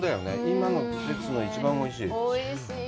今の季節が一番おいしい。